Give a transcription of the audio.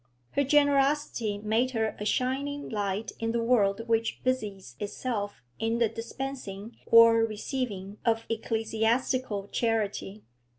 Her generosity made her a shining light in the world which busies itself in the dispensing or receiving of ecclesiastical charity.